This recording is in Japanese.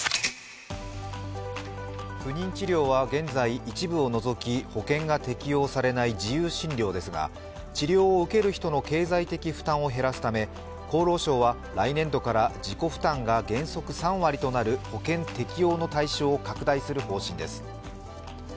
不妊治療は現在、一部を除き保険が適用されない自由診療ですが、治療を受ける人の経済的負担を減らすため厚労省は来年度から自己負担が原則３割となる保険適用の対象を拡大する方針です。